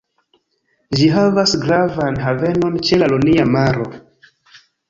Ĝi havas gravan havenon ĉe la Ionia Maro.